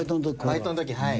バイトの時はい。